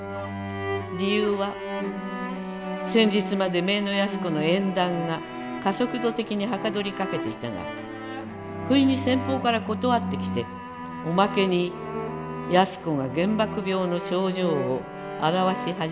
理由は先日まで姪の矢須子の縁談が加速度的に捗りかけていたが不意に先方から断って来ておまけに矢須子が原爆病の症状を現し始めたからである。